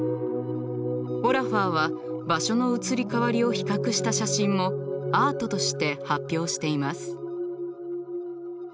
オラファーは場所の移り変わりを比較した写真もアートとして発表しています。